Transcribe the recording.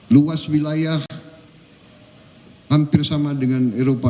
luas wilayah hampir sama dengan eropa